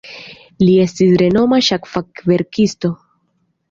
Li estis renoma ŝak-fakverkisto.